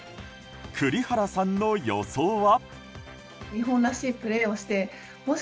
栗原さんの予想は。